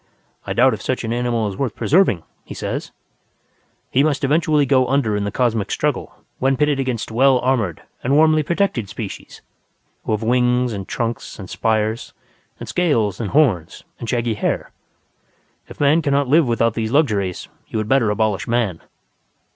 "I doubt if such an animal is worth preserving," he says. "He must eventually go under in the cosmic struggle when pitted against well armoured and warmly protected species, who have wings and trunks and spires and scales and horns and shaggy hair. If Man cannot live without these luxuries, you had better abolish Man."